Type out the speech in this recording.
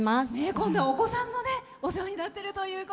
今度は、お子さんのお世話になっているというね。